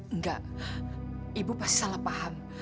enggak ibu pasti salah paham